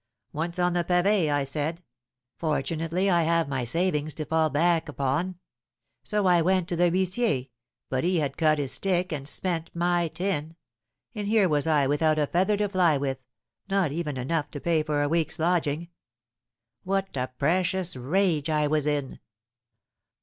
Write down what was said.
Once on the pavé I said, 'Fortunately I have my savings to fall back upon.' So I went to the huissier, but he had cut his stick, and spent my 'tin'; and here was I without a feather to fly with, not even enough to pay for a week's lodging. What a precious rage I was in!